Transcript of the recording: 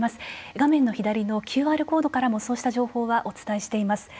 画面の左のＱＲコードからもそうした情報はお伝えしています。